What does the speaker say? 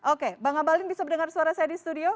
oke bang abalin bisa mendengar suara saya di studio